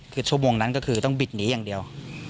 คือชั่วโมงนั้นก็คือต้องบิดหนีอย่างเดียว